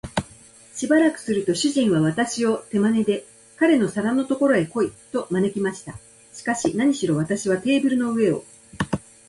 しばらくすると、主人は私を手まねで、彼の皿のところへ来い、と招きました。しかし、なにしろ私はテーブルの上を